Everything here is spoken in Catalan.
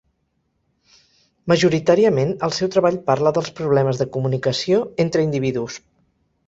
Majoritàriament, el seu treball parla dels problemes de comunicació entre individus.